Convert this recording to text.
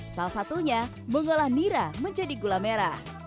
salah satunya mengolah nira menjadi gula merah